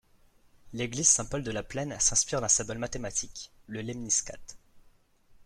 L’église Saint Paul de La Plaine s’inspire d’un symbole mathématique:∞.